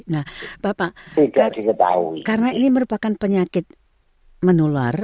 nah bapak karena ini merupakan penyakit menular